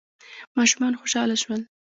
ماشومان خوشحاله شول.